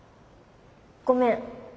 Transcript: ごめん。